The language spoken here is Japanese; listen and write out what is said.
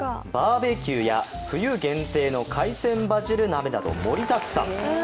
バーベキューや冬限定の海鮮バジル鍋など、盛りだくさん。